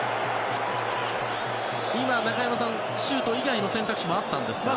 今、中山さんシュート以外の選択肢もあったんですか？